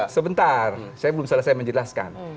sebentar saya belum salah saya menjelaskan